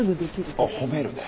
あ褒めるね。